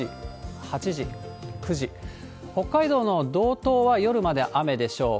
北海道の道東は、夜まで雨でしょう。